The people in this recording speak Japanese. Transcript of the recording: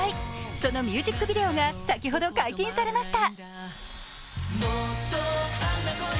そのミュージックビデオが先ほど解禁されました。